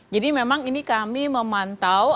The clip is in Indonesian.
jadi memang ini kami memantul